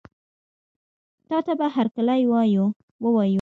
تاته به هرکلی ووایو.